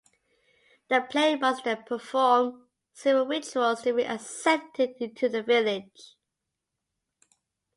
The player must then perform several rituals to be accepted into the village.